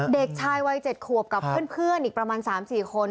เด็กชายวัย๗ขวบกับเพื่อนอีกประมาณ๓๔คน